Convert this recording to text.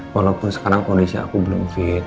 walaupun sekarang kondisi aku belum fit